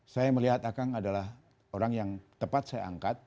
saya melihat akang adalah orang yang tepat saya angkat